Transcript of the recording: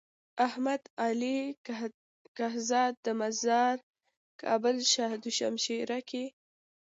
احمد علي کهزاد مزار کابل شاه دو شمشيره کي۔